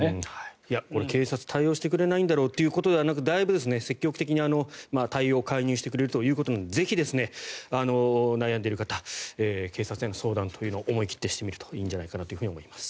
これ、警察は対応してくれないんだろうということではなくてだいぶ積極的に対応・介入してくれるということなのでぜひ、悩んでいる方警察への相談を思い切ってしてみるといいんじゃないかなと思います。